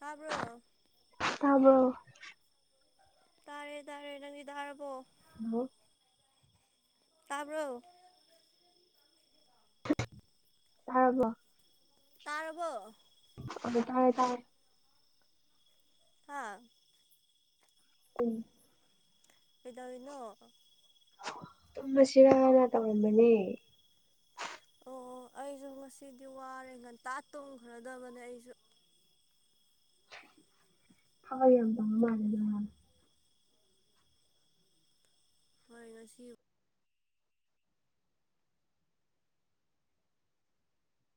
ꯍꯥꯥꯕ꯭ꯔꯣ ꯇꯥꯕ꯭ꯔꯣ ꯇꯥꯔꯦ ꯇꯥꯔꯦ ꯅꯪꯒꯤ ꯊꯥꯔꯕꯣ ꯍꯜꯂꯣ ꯇꯥꯕꯣ ꯇꯔꯔꯕꯣ ꯇꯥꯔꯔꯕꯣ ꯑ ꯇꯥꯔꯦ ꯇꯥꯔꯦ ꯑꯥ ꯎꯝ ꯄꯗꯥꯅꯣ ꯇꯨꯝꯃꯁꯤꯔꯥꯅ ꯇꯧꯔꯝꯕꯅꯤ ꯑꯣ ꯑꯩꯁꯨ ꯉꯁꯤꯗꯤ ꯋꯥꯔꯦ ꯉꯟꯇꯥ ꯇꯣꯡꯈ꯭ꯔꯗꯕꯅꯦ ꯑꯩꯁꯨ ꯍꯥꯎ ꯌꯥꯝꯗꯔ ꯂ ꯍꯥ ꯍꯣꯏ ꯉꯁꯤ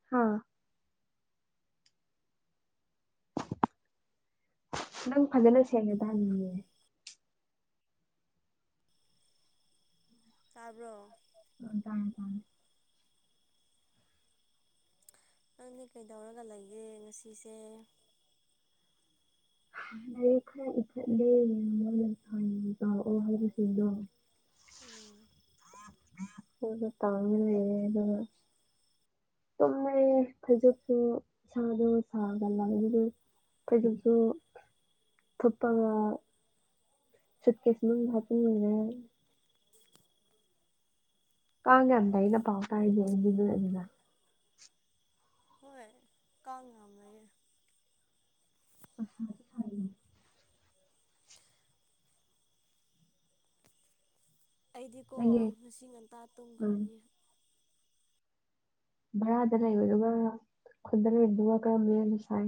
ꯍꯥꯥ ꯅꯪ ꯐꯖꯅ ꯁꯦꯡꯅ ꯇꯥꯅꯤꯡꯉꯦ ꯇꯥꯔꯕ ꯎ ꯇꯃꯦ ꯇꯃꯦ ꯅꯪꯅꯦ ꯀꯩꯗꯧꯔꯒ ꯂꯩꯌꯦꯦ ꯉꯁꯤꯁꯦ ꯂꯔꯤ ꯈꯔ ꯏꯊꯠꯂꯦꯀꯑꯣ ꯍꯥꯏꯁꯤꯡꯗꯣ ꯎꯝ ꯑꯣꯗ ꯇꯃꯤꯔ ꯑꯦꯗ ꯆꯨꯝꯃꯦꯩꯌꯦ ꯈꯩꯖꯣꯛꯁꯨ ꯏꯁꯥꯗꯣ ꯁꯥꯒ ꯂ ꯇꯒꯤꯁꯨ ꯇꯞꯄꯒ ꯁꯠꯀꯦ ꯁꯃꯜ ꯍꯥꯇꯤꯡ ꯃꯒ ꯀꯉꯦꯗ ꯏꯅ ꯄꯥꯎꯇ ꯎꯝ ꯎꯝ ꯌꯦꯗ ꯍꯣꯏ ꯀꯥ ꯉꯃꯦꯦ ꯑꯗꯤ ꯑꯩꯗꯤꯀꯣ ꯅꯪꯒꯤ ꯉꯁꯤ ꯉꯟꯇꯥ ꯎꯝ ꯇꯨꯝꯈ꯭ꯔꯅꯤ ꯚꯔꯥꯗ ꯂꯩꯕꯗꯨꯒ ꯈꯨꯟꯗ ꯂꯩꯕꯗꯨꯒ ꯀꯔꯝ ꯂꯩꯅ ꯁꯥꯏ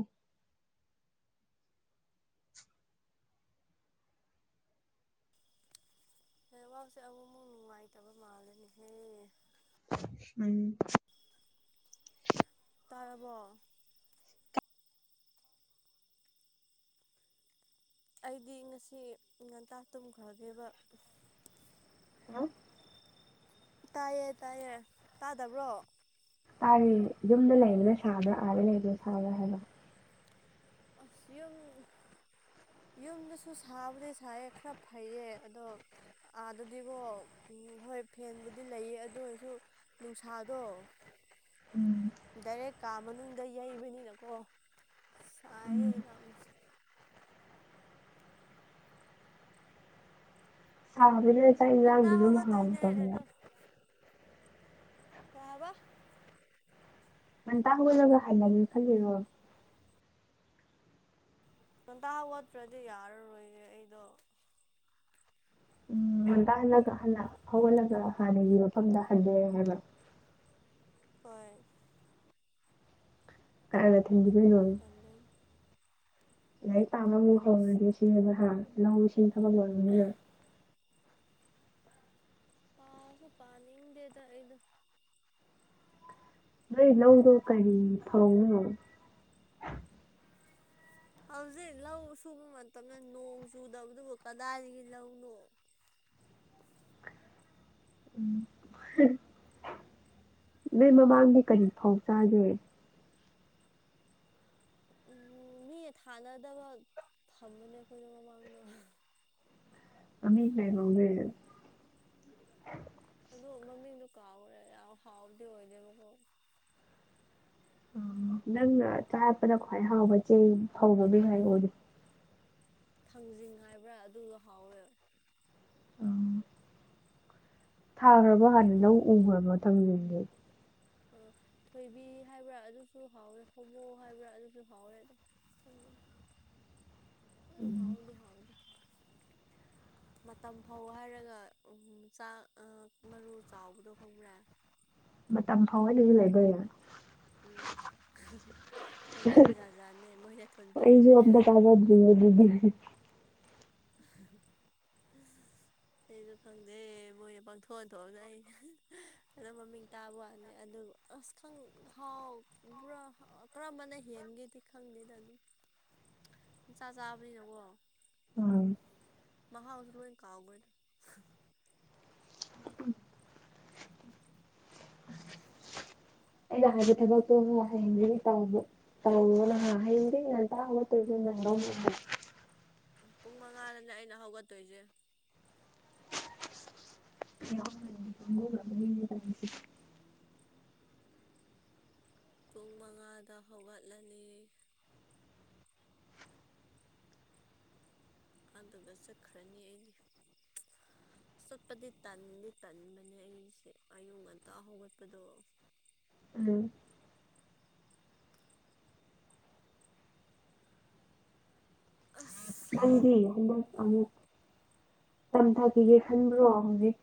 ꯑꯦ ꯋꯥꯁꯦ ꯑꯃꯨ ꯑꯃꯨꯛ ꯅꯨꯡꯉꯥꯏꯇꯕ ꯃꯥꯜꯂꯅꯤꯍꯦ ꯎꯝ ꯇꯥꯔꯕꯣ ꯑꯩꯗꯤ ꯉꯁꯤ ꯉꯟꯇꯥ ꯇꯨꯝꯈ꯭ꯔꯕꯤꯦꯕ ꯍꯥ ꯇꯥꯏꯌꯦ ꯇꯥꯏꯌꯦ ꯇꯥꯗꯕ꯭ꯔꯣ ꯑꯥꯔꯤ ꯌꯨꯝꯗ ꯂꯩꯕꯅ ꯁꯥꯕ꯭ꯔꯥ ꯑꯥꯗ ꯂꯩꯕꯅ ꯁꯥꯕ꯭ꯔꯥ ꯍꯥꯏꯕ꯭ꯔ ꯑꯁꯤ ꯌꯥꯝ ꯌꯨꯝꯗꯁꯨ ꯁꯥꯕꯗꯤ ꯁꯥꯏꯌꯦ ꯈꯔ ꯐꯩꯌꯦ ꯑꯗꯣ ꯑꯥꯗꯗꯤꯀꯣ ꯎ ꯍꯣꯏ ꯐꯦꯟꯕꯨꯗꯤ ꯂꯩꯌꯦ ꯑꯗꯨ ꯑꯣꯏꯔꯁꯨ ꯅꯨꯡꯁꯥꯗꯣ [unintelligible] ꯗꯥꯏꯔꯦꯛ ꯀꯥ ꯃꯅꯨꯡꯗ ꯌꯩꯕꯅꯤꯅꯀꯣ ꯁꯥꯏꯌꯦ ꯎꯝ ꯌꯥꯝꯅ ꯁꯕꯤꯗ ꯆꯥꯏꯅ ꯉꯟꯇꯥ ꯍꯅ ꯍꯧꯒꯠꯇꯣꯏꯅꯦ ꯍꯥꯗ ꯌꯥ ꯀꯥꯕ ꯃꯟꯇꯥꯡ ꯂꯣꯏꯔꯒ ꯍꯥꯏꯅꯒꯦ ꯈꯜꯂꯤꯔꯣ ꯂꯣꯟꯇꯥ ꯋꯥꯠꯄ꯭ꯔꯗꯤ ꯌꯥꯔꯔꯣꯏꯌꯦꯦ ꯑꯩꯗꯣ ꯎꯝ ꯉꯟꯇꯍꯜꯂꯒ ꯍ ꯍꯧꯥꯎꯍꯜꯂꯒ ꯍꯥꯟꯅꯒꯤ ꯃꯐꯝꯗ ꯍꯟꯗꯦ ꯍꯥꯏꯕ ꯍꯣꯏ ꯑ ꯊꯦꯡ ꯊ ꯍꯟꯗꯣꯏꯅꯦ ꯂꯥꯏꯔꯤꯛ ꯄꯥꯕ ꯑꯃꯨꯛ ꯍꯧꯔꯗꯤ ꯁꯤꯕ ꯍ ꯂꯧ ꯏꯁꯤꯡ ꯊꯕꯛ ꯑꯣꯏꯔꯕꯅꯤꯅ ꯄꯁꯨ ꯄꯅꯤ ꯗꯦꯗ ꯏꯗ ꯅꯣꯏ ꯂꯧꯗꯣ ꯀꯔꯤ ꯐꯧꯅꯣ ꯍꯧꯖꯤꯛ ꯂꯧ ꯁꯨꯕ ꯃꯇꯝꯗ ꯅꯣꯡ ꯆꯨꯗꯕꯗꯨꯕꯨ ꯀꯗꯥꯏꯗꯒꯤ ꯂꯧꯅꯣ [unintelligible] ꯎꯝ ꯅꯣꯏ ꯃꯃꯥꯡꯗꯤ ꯀꯔꯤ ꯐꯥꯎ ꯆꯥꯒꯦ ꯃꯤ ꯊꯥꯅꯗꯕ ꯊꯝꯕꯅꯦ ꯑꯩꯈꯣꯏꯅ ꯃꯃꯥꯡꯗꯣ ꯑꯃꯤ ꯀꯣꯗ ꯑꯗꯨꯗ ꯃꯃꯤꯡꯗꯣ ꯀꯥꯎꯈ꯭ꯔꯦ ꯌꯥꯝ ꯍꯥꯎꯕꯗꯤ ꯑꯣꯏꯗꯦꯕꯀꯣ ꯅꯪꯅ ꯆꯔꯞꯄꯗ ꯈ꯭ꯋꯥꯏ ꯍꯥꯎꯕ ꯆꯦꯡ ꯐꯧꯕ ꯃꯤ ꯍꯥꯏꯑꯣꯣꯗꯤ ꯊꯥꯡꯖꯤꯡ ꯍꯥꯏꯕ꯭ꯔꯥ ꯑꯗꯨꯗ ꯍꯥꯎꯋꯦꯕ ꯎꯝ ꯊꯥꯈ꯭ꯔꯕꯣ ꯍꯥꯟꯅ ꯂꯧ ꯎꯈ꯭ꯔꯕ ꯊꯝꯖꯟꯒꯦ ꯑꯣ ꯊꯣꯏꯕꯤ ꯍꯥꯏꯕ꯭ꯔꯥ ꯑꯗꯨꯁꯨ ꯍꯥꯎꯋꯦ ꯍꯣꯃꯣ ꯍꯥꯏꯕ꯭ꯔꯥ ꯑꯗꯨꯁꯨ ꯍꯥꯎꯋꯦ ꯑꯗꯣ [unintelligible] ꯎ ꯎꯝ ꯍꯥꯎꯗꯤ ꯍꯥꯎꯗ [unintelligible] ꯃꯇꯝ ꯐꯥꯎ ꯍꯥꯏꯔꯒ ꯆꯥꯛ ꯃꯔꯨ ꯆꯥꯎꯕꯗꯣ ꯈꯪꯕ꯭ꯔꯥ ꯃꯝ ꯐꯥꯎꯋꯥ ꯂꯩ ꯏ ꯂꯩꯕ ꯎꯝ ꯃꯃꯤꯡ ꯖꯥꯠ ꯖꯥꯠꯅꯦ ꯃꯣꯏꯅ ꯑꯩꯁꯨꯣ ꯊꯣꯟꯕꯤꯕꯁꯦ ꯑꯝꯅ ꯀꯥꯒꯗ ꯉ [unintelligible] ꯑꯩꯁꯨ ꯈꯪꯗꯦ ꯃꯣꯏꯅ ꯄꯥꯡꯊꯣꯛꯑꯟꯊꯣꯛꯑꯒ ꯑꯩꯁꯦ ꯑꯗꯨ ꯃꯃꯤꯡ ꯇꯥꯕ ꯋꯥꯅꯤ ꯑꯗꯨ ꯑꯁ ꯍꯥꯎ ꯄꯨꯔꯥ ꯀꯔꯝꯕꯅ ꯍꯦꯟꯒꯦꯗꯤ ꯈꯪꯗꯦꯗ ꯑꯗꯨꯝ ꯎ ꯄꯨꯡ ꯆꯥ ꯆꯥꯕꯅꯤꯅꯀꯣ ꯎꯝ ꯃ ꯍꯥꯎ ꯂꯣꯏꯣꯏ ꯀꯥꯎꯒꯗ ꯏꯩꯅ ꯍꯥꯏꯦ ꯊꯒꯣ ꯍꯔꯤ ꯇꯥꯎ ꯇꯥꯎ ꯅ ꯍꯡꯔꯤ ꯅꯇ ꯇ ꯅ ꯑꯗꯨꯝ ꯄꯨꯡ ꯃꯉꯥꯗꯅꯦ ꯑꯩꯅ ꯍꯧꯒꯠꯇꯣꯏꯁꯦ ꯎ ꯄꯨꯡ ꯃꯉꯥꯗ ꯍꯧꯒꯠꯂꯅꯤ ꯑꯗꯨꯒ ꯆꯠꯈ꯭ꯔꯅꯤ ꯑꯩꯗꯤ [unintelligible] ꯑ ꯆꯠꯄꯗꯤ ꯇꯟꯗꯤ ꯇꯟꯕꯅꯦ ꯑꯩꯁꯦ ꯑꯌꯨ ꯉꯟꯇ ꯍꯧꯒꯠꯄꯗꯣ ꯎꯝ ꯑꯁ ꯅꯗꯤ ꯑꯗ ꯑ ꯇꯝꯊꯥꯈꯤꯒꯦ ꯈꯟꯕ꯭ꯔꯣ ꯍꯧꯖꯤꯛ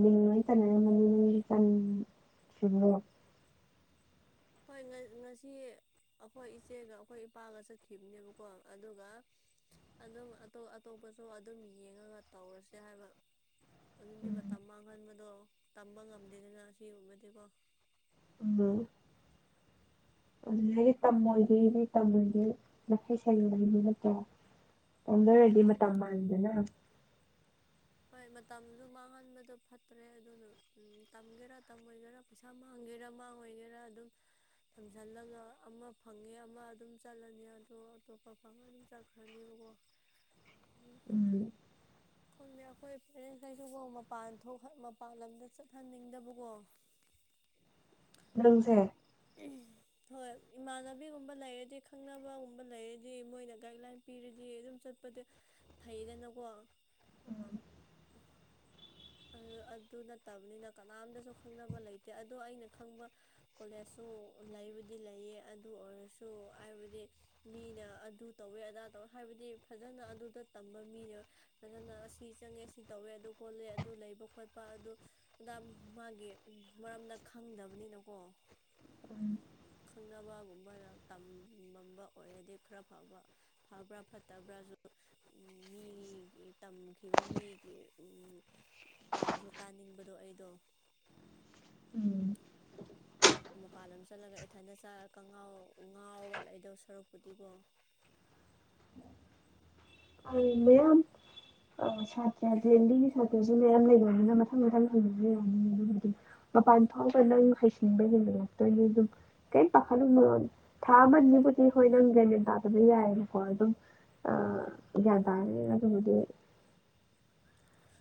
ꯃꯤ ꯂꯣꯏ ꯇꯅꯔꯝꯕꯅꯤꯒꯤ ꯁꯤꯃ ꯍꯣꯏ ꯉꯁꯤ ꯑꯩꯈꯣꯏ ꯏꯆꯦꯒ ꯑꯩꯈꯣꯏ ꯏꯄꯥꯒ ꯆꯠꯈꯤꯕꯅꯦꯕꯀꯣ ꯑꯗꯨꯒ ꯑꯗꯨꯝꯇꯣꯞ ꯑꯇꯣꯞꯄꯁꯨ ꯑꯗꯨꯝ ꯌꯦꯡꯉꯒ ꯇꯧꯔꯁꯦ ꯍꯥꯏꯕ ꯑꯗꯨꯗꯤ ꯃꯇꯝ ꯃꯥꯡꯍꯟꯕꯗꯣ ꯇꯝꯕ ꯉꯝꯗꯦꯗꯅ ꯁꯤ ꯑꯣꯏꯕꯗꯤꯀꯣ ꯑ ꯑꯗꯨ ꯑꯩꯗꯤ ꯇꯝꯃꯣꯏꯒꯦ ꯅ ꯇꯝꯃꯣꯏꯒꯦ ꯅꯈꯩ ꯁꯩꯔ ꯂꯩꯕ ꯅꯠꯇ꯭ꯔꯣ ꯑꯣꯗꯔꯦꯗꯤ ꯑꯗꯣ ꯃꯇꯝ ꯃꯥꯡꯗꯅ ꯍꯣꯏ ꯃꯇꯝꯁꯨ ꯃꯥꯡꯍꯟꯕꯗꯣ ꯐꯠꯇ꯭ꯔꯦ ꯑꯗꯨꯅ ꯇꯝꯒꯦꯔꯥ ꯇꯝꯃꯣꯏꯒꯦꯔꯥ ꯄꯩꯁꯥ ꯃꯥꯡꯒꯦꯔ ꯃꯃꯥꯡ ꯑꯣꯏꯒꯦꯔꯥ ꯑꯗꯨꯝ ꯊꯝꯁꯤꯜꯂꯒ ꯑꯃ ꯐꯪꯉꯦ ꯑꯃ ꯑꯗꯨꯝ ꯆꯠꯂꯅꯤ ꯑꯗꯣ ꯑꯇꯣꯞꯄ ꯐꯪꯉ ꯑꯗꯨꯝ ꯆꯠꯈ꯭ꯔꯅꯤꯕ ꯑꯣ [unintelligible] ꯎꯝ ꯀꯗ ꯍꯣꯏ ꯄꯦꯔꯦꯟꯁ ꯀꯩꯁꯨꯀꯣ ꯃꯄꯥꯟ ꯊꯣꯛ ꯃꯄꯥꯟ ꯂꯝꯗ ꯆꯠꯍꯟꯅꯤꯡꯗꯕꯀꯣ ꯪꯁꯦ [unintelligible] ꯍꯣꯏ ꯏꯃꯥꯟꯅꯕꯤꯒꯨꯝꯕ ꯂꯩꯔꯗꯤ ꯈꯪꯅꯕꯒꯨꯝꯕ ꯂꯩꯔꯗꯤ ꯃꯣꯏꯅ ꯒꯥꯏꯗꯂꯥꯏꯟ ꯄꯤꯔꯗꯤ ꯑꯗꯨꯝ ꯆꯠꯄ ꯐꯩꯗꯅꯀꯣ ꯎꯝ [unintelligible] ꯑꯗꯨ ꯅꯠꯇꯕꯅꯤꯅ ꯀꯅꯥꯝꯗꯁꯨ ꯈꯪꯅꯕ ꯂꯩꯇꯦ ꯑꯗꯣ ꯑꯩꯅ ꯈꯪꯕ ꯀꯣꯂꯦꯖꯁꯨ ꯂꯩꯕꯨꯗꯤ ꯂꯩꯌꯦ ꯑꯗꯨ ꯑꯣꯏꯔꯁꯨ ꯍꯥꯏꯕꯗꯤ ꯃꯤꯅ ꯑꯗꯨ ꯇꯧꯋꯦ ꯑꯗꯥ ꯇꯧꯋꯦ ꯍꯥꯏꯕꯗꯤ ꯐꯖꯅ ꯑꯗꯨꯗ ꯇꯝꯕ ꯃꯤꯅꯦꯕ ꯐꯖꯅ ꯁꯤ ꯆꯪꯉꯦ ꯁꯤ ꯇꯧꯋꯦ ꯑꯗꯨ ꯈꯣꯠꯂꯦ ꯑꯗꯨ ꯂꯩꯕ ꯈꯣꯠꯄ ꯑꯗꯨ ꯑꯗꯥ ꯃꯥꯒꯤ ꯃꯔꯝꯗ ꯈꯪꯗꯕꯅꯤꯅꯀꯣ ꯎꯝ ꯈꯪꯅꯕꯒꯨꯝꯕꯅ ꯇꯝꯃꯝꯕ ꯑꯣꯏꯔꯗꯤ ꯈꯔ ꯐꯕ ꯐꯕ꯭ꯔꯥ ꯐꯠꯇꯕ꯭ꯔꯥ ꯎ ꯃꯤꯒꯤ ꯇꯝꯈꯤꯕ ꯃꯤꯒꯤ ꯎ ꯄꯥꯎꯁꯨ ꯇꯥꯅꯤꯡꯕꯗꯣ ꯑꯩꯗꯣ ꯃꯄꯥꯟ ꯑꯃ ꯆꯠꯂꯒ ꯏꯊꯟꯗꯒꯥꯎ ꯉꯥꯎꯔꯒꯂꯥꯛꯏꯗ ꯁꯔꯨꯛꯄꯨꯗꯤꯀꯣ [unintelligible] ꯑ ꯃꯌꯥꯝ ꯑ ꯁꯥꯇ꯭ꯔ ꯌꯥꯗꯕꯤꯒꯤ ꯁꯥꯇ꯭ꯔꯁꯨ ꯃꯌꯥꯝ ꯂꯩꯕꯅꯤꯅ ꯃꯊꯪ ꯃꯊꯪ ꯍꯪꯕꯁꯨ ꯌꯥꯅꯤ ꯑꯗꯨꯒꯤꯗꯤ ꯃꯄꯥꯟ ꯐꯥꯎꯕ ꯅꯪ ꯍꯩꯁꯤꯡꯟꯕ ꯍꯦꯟꯒꯠꯂꯛꯇꯣꯏꯅꯦ ꯑꯗꯨꯝ ꯀꯔꯤꯝ ꯄꯥꯈꯜꯂ ꯊꯥꯕꯅꯤ ꯕꯨꯗꯤ ꯍꯣꯏ ꯅꯪ ꯦꯅꯦꯟ ꯇꯥꯗꯕ ꯌꯥꯏꯑꯕꯀꯣ ꯑꯗꯨꯝ ꯑ ꯒ꯭ꯌꯥꯟ ꯇꯥꯔꯦ ꯑꯗꯨꯕꯨꯗꯤ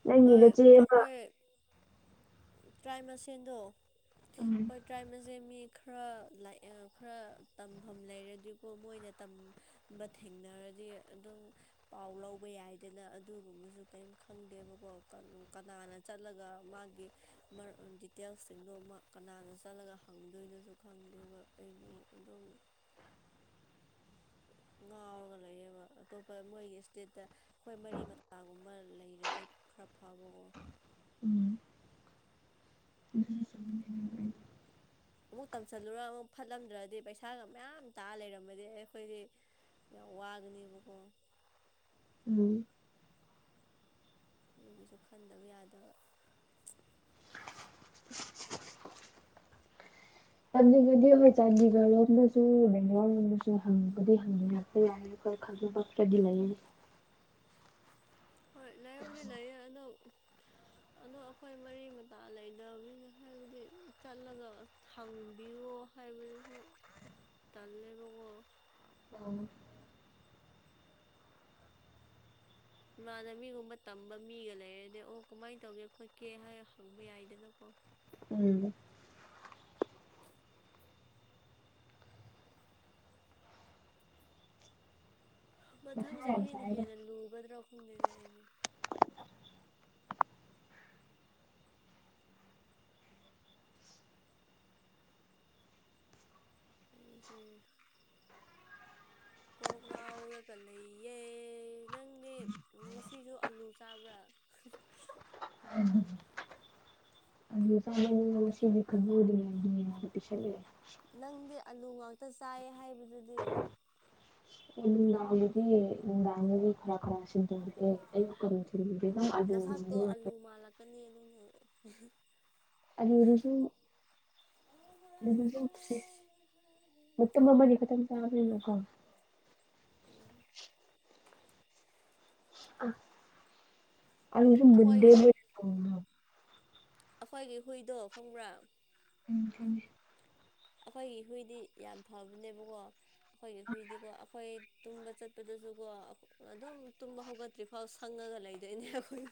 ꯅꯪꯒꯤꯅꯆꯦ ꯑꯃ ꯇꯔꯥꯏꯃꯁꯦꯜꯗꯣ ꯎꯝ ꯍꯣꯏ ꯇ꯭ꯔꯥꯏꯃꯁꯦꯜ ꯃꯤ ꯈꯔ ꯈꯔ ꯇꯝꯐꯝ ꯂꯩꯔꯗꯤꯕꯨꯣ ꯃꯣꯏꯅ ꯇꯝꯕ ꯊꯦꯡꯅꯔꯒ ꯗꯤ ꯑꯗꯨꯝ ꯄꯥꯎ ꯂꯧꯕ ꯌꯥꯏꯗꯅ ꯑꯗꯨꯒꯨꯝꯕꯁꯨ ꯀꯔꯤꯝ ꯈꯪꯗꯦꯕ ꯀꯅꯥꯅ ꯆꯠꯂꯒ ꯃꯥꯒꯤ ꯗꯤꯇꯦꯜꯁꯤꯡꯗꯣ ꯀꯅꯥꯅ ꯆꯠꯂ ꯍꯪꯗꯣꯏꯅꯁꯨ ꯈꯪꯗꯦꯕ ꯑꯩꯩꯅ ꯑꯗꯨꯝ [unintelligible] ꯎ ꯉꯥꯎꯔꯒ ꯂꯩꯌꯦꯦꯕ ꯑꯇꯣꯞꯄ ꯃꯣꯏꯒꯤ ꯏꯁꯇꯦꯠꯇ ꯑꯩꯈꯣꯏ ꯃꯔꯤ ꯃꯇꯥꯒꯨꯝꯕ ꯂꯩꯔꯗꯤ ꯈ꯭ꯔꯐꯕꯒꯣ ꯎꯝ ꯑꯗꯨ ꯑꯃꯨꯛ ꯇꯝꯁꯜꯂꯨꯔ ꯑꯃꯨꯛ ꯐꯠꯂꯝꯗ꯭ꯔꯗꯤ ꯄꯩꯁꯥꯒ ꯃꯌꯥꯝ ꯇꯥꯑ ꯂꯩꯔꯝꯃꯗꯤ ꯑꯩꯈꯣꯏꯗꯤ ꯌꯥ ꯋꯥꯒꯅꯤꯕꯀꯣ ꯎꯝ ꯑꯗꯨꯒꯤꯁꯨ ꯈꯟꯗꯕ ꯌꯥꯗꯕ ꯆꯥꯟꯗꯤꯒꯗꯤ ꯍꯣꯏ ꯆꯥꯟꯗꯤꯒꯔꯔꯣꯝꯗꯁꯨ ꯕꯦꯡꯒꯣꯔꯜꯔꯣꯝꯗꯁꯨ ꯍꯪꯕꯗꯤ ꯍꯪꯕꯤꯔꯛꯄ ꯌꯥꯏ ꯈꯪ ꯀꯗꯤ ꯂꯥꯏꯅꯤ ꯍꯣꯏ ꯂꯥꯏ ꯃꯗꯤꯦ ꯂꯥꯏ ꯑꯅ [unintelligible] ꯑꯗꯣ ꯑꯩꯈꯣꯏ ꯃꯔꯤ ꯃꯇꯥ ꯂꯩꯗꯕꯅꯤꯅ ꯍꯥꯏꯕꯗꯤ ꯆꯠꯂꯒ ꯊꯪꯕꯤꯌꯣ ꯈꯥꯏ ꯇꯥꯟ ꯂꯩꯕꯀꯣ ꯎꯝ ꯏꯃꯥꯅ ꯃꯤꯒꯨꯝꯕ ꯇꯝꯕ ꯃꯤꯒ ꯂꯩꯔꯗꯤ ꯑꯣ ꯀꯃꯥꯏꯅ ꯇꯧꯒꯦ ꯈꯣꯠꯀꯦ ꯍꯥꯏ ꯍꯪꯕ ꯌꯥꯏꯗꯅꯀꯣ ꯎꯝ ꯃꯊꯥ ꯃꯊꯪ ꯌꯥꯝ ꯆꯍꯤꯅ ꯁꯥꯏꯗ ꯍꯦꯟꯅ ꯂꯨꯒꯗ꯭ꯔꯥ ꯍꯨꯝꯗꯅꯦ ꯑꯩꯒꯤ ꯑꯩꯁꯦ [unintelligible] ꯀꯣꯛ ꯉꯥꯎꯔꯒ ꯂꯩꯌꯦꯦ ꯅꯪꯅꯦ ꯉꯁꯤꯁꯨ ꯑꯂꯨ ꯆꯥꯕ꯭ꯔꯥ ꯎꯝ ꯑ ꯁꯤꯗꯤ ꯈꯕꯨꯔꯤ ꯍꯥꯏ ꯄ ꯅꯪꯗꯤ ꯑꯂꯨ ꯉꯥꯛꯇ ꯆꯥꯏ ꯍꯥꯏꯕꯗꯨꯗꯤ ꯗꯥꯗꯤꯥꯒꯤ ꯈꯔ ꯈꯔꯁꯤꯤꯟꯅ ꯇꯦ ꯑꯦꯂ ꯀꯔꯦ ꯝ ꯑꯗꯨ ꯑꯣ ꯑꯗꯁꯨꯁꯨ ꯃꯠꯇ ꯃꯃ ꯌꯦ ꯀꯇꯝ ꯆꯕ ꯎꯝ ꯑꯁꯨ ꯃꯟꯗꯦ ꯑꯩꯈꯣꯏꯒꯤ ꯑꯩꯈꯣꯏꯒꯤ ꯍꯨꯏꯗꯣ ꯐꯪꯕ꯭ꯔꯥ ꯎꯝ ꯊ ꯑꯩꯈꯣꯏꯒꯤ ꯍꯨꯏꯗꯤ ꯌꯥꯝ ꯐꯕꯅꯦꯕꯀꯣ ꯑꯩꯈꯣꯏꯒꯤ ꯍꯨꯏꯗꯤꯀꯣ ꯑꯩꯈꯣꯏ ꯇꯨꯝꯕ ꯆꯠꯄꯗꯁꯨꯀꯣ ꯑꯗꯨꯝ ꯇꯨꯝꯕ ꯍꯧꯒꯠꯇ꯭ꯔꯤꯐꯥꯎ ꯁꯪꯉꯒ ꯂꯩꯗꯣꯏꯅꯦ ꯑꯩꯈꯣꯏ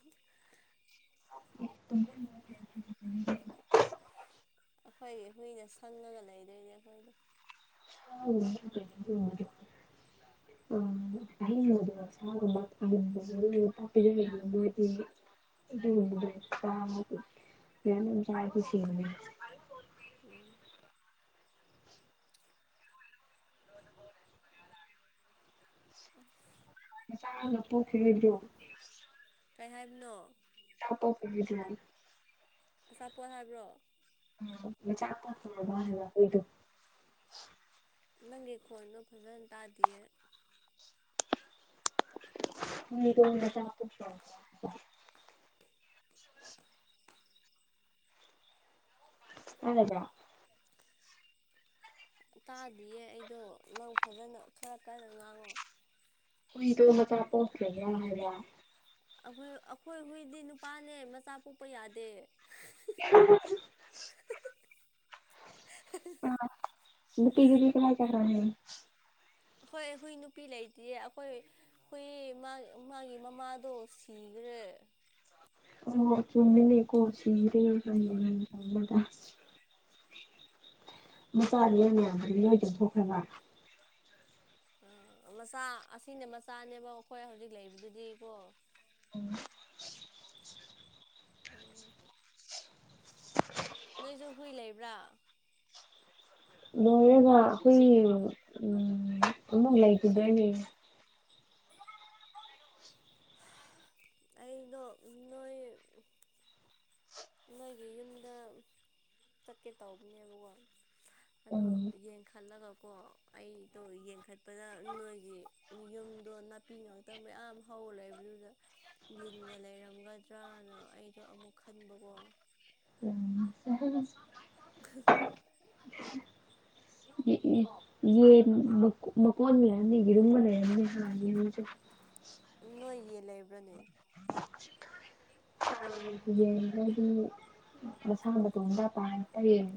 [unintelligible] ꯑꯩꯈꯣꯏꯒꯤ ꯍꯨꯏꯅ ꯁꯪꯉꯒ ꯂꯩꯗꯣꯏꯅꯦ ꯑꯩꯈꯣꯏꯗꯣ ꯍ ꯑ ꯑꯩꯅ ꯑꯗꯨ ꯁꯥꯒꯝꯕ ꯄꯄꯤꯖ ꯏ ꯆꯥꯏ ꯈꯁꯤꯅꯤ ꯎꯝ ꯎ ꯆꯄꯣ ꯈ ꯍꯥꯏꯕꯤꯣ ꯀꯔꯤ ꯍꯥꯏꯕꯅꯣ ꯊꯄ ꯀꯗ ꯑꯆꯥꯄꯣꯠ ꯍꯥꯏꯕ꯭ꯔꯣ ꯃ ꯆꯥ ꯄꯥꯛ ꯊ ꯃꯥꯔ ꯂ ꯀꯣꯏꯗ ꯅꯪꯒꯤ ꯈꯣꯟꯗꯣ ꯐꯖꯅ ꯇꯥꯗꯌꯦ ꯃꯤꯅ ꯆꯄ ꯍꯗ ꯇꯥꯗꯤꯌꯦ ꯑꯩꯗꯣ ꯅꯪ ꯐꯖꯅ ꯈꯔ ꯀꯟꯅ ꯉꯥꯡꯉꯣ ꯃꯤꯣꯏ ꯇ ꯃꯆꯥ ꯄꯣꯆꯅ ꯣꯏ ꯑꯩꯈꯣꯏ ꯍꯨꯏꯗꯤ ꯅꯨꯄꯥꯅꯦ ꯃꯆꯥ ꯄꯣꯛꯄ ꯌꯥꯗꯦ [unintelligible] ꯑ ꯄꯤꯖꯤꯦ ꯀꯥꯏ ꯀꯈ꯭ꯔ ꯑꯩꯈꯣꯏ ꯍꯨꯏ ꯅꯨꯄꯤ ꯂꯩꯇ꯭ꯦ ꯑꯩꯈꯣꯏ ꯍꯨꯏ ꯃꯥꯒꯤ ꯃꯃꯥꯗꯣ ꯁꯤꯈ꯭ꯔꯦ ꯇꯦ ꯑ ꯑꯣ ꯆꯨꯝꯃꯤ ꯂꯩ ꯀꯣ ꯁꯤꯗ ꯃꯆꯥꯥꯗꯤ ꯃꯌꯥꯝꯗꯨꯣꯏꯒ ꯊꯣꯛꯣꯛꯈ꯭ꯔꯕ ꯑ ꯃꯆꯥ ꯑꯁꯤꯅꯦ ꯃꯆꯥꯅꯦꯕ ꯑꯩꯈꯣꯏ ꯍꯧꯖꯤꯛ ꯂꯩꯕꯗꯨꯗꯤ ꯀꯣ ꯎꯝ ꯎꯝ ꯅꯣꯏꯁꯨ ꯍꯨꯏ ꯂꯩꯕ꯭ꯔꯥ ꯂꯣꯏꯔꯦꯒ ꯑꯩꯈꯣꯏ ꯎ ꯑꯃꯨꯛ ꯂꯩꯈꯤꯗꯣꯏꯅꯦ ꯑꯩꯩꯅ ꯅꯣꯏ ꯅꯣꯏꯒꯤ ꯌꯨꯝꯗ ꯆꯠꯀꯦ ꯇꯧꯕꯅꯦꯕꯀꯣ ꯑꯗꯣ ꯎꯝ ꯌꯦꯡꯈꯠꯂꯒꯀꯣ ꯑꯩꯗꯣ ꯌꯦꯡꯈꯠꯄꯗ ꯅꯣꯏꯒꯤ ꯌꯨꯝꯗꯣ ꯅꯥꯄꯤ ꯉꯥꯛꯇ ꯃꯌꯥꯝ ꯍꯧꯂꯦꯕꯗꯨꯗ ꯂꯤꯟꯒ ꯂꯩꯔꯝꯒꯗ꯭ꯔꯅ ꯑꯩꯗꯣ ꯑꯃꯨꯛ ꯈꯟꯕꯀꯣ ꯎꯝ ꯁ ꯍ [unintelligible] ꯌꯦ ꯃꯀꯣꯟ ꯂꯩꯔꯝꯅꯤ ꯌꯦꯔꯨꯝꯕ ꯂꯩꯔꯝꯅꯤ ꯌꯦ ꯎ ꯅꯣꯏ ꯌꯦ ꯂꯩꯕ꯭ꯔꯅꯦ ꯦꯗꯤ ꯃꯁꯥ ꯃꯇ ꯇꯣꯡꯝꯗꯥ ꯇꯛꯇꯡ